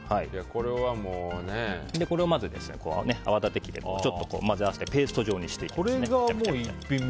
これを泡立て器で混ぜ合わせてペースト状にしていきます。